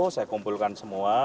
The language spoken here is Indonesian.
saya kumpulkan semua